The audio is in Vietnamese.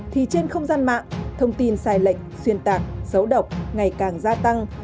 thì trên không gian mạng thông tin sai lệch xuyên tạc xấu độc ngày càng gia tăng